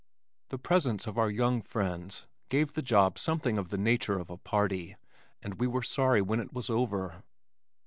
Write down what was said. The presence of our young friends gave the job something of the nature of a party and we were sorry when it was over.